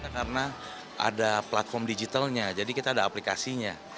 karena ada platform digitalnya jadi kita ada aplikasinya